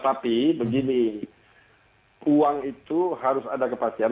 tapi begini uang itu harus ada kepastian